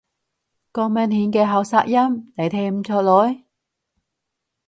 咁明顯嘅喉塞音，你聽唔出來？